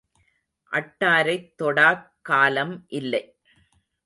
அட்டாரைத் தொடாக் காலம் இல்லை.